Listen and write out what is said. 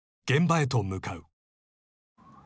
現場へと向かう］